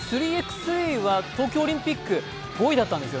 ３ｘ３は東京オリンピックでも３位でした。